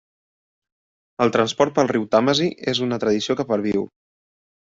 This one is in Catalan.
El transport pel riu Tàmesi és una tradició que perviu.